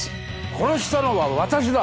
殺したのは私だ！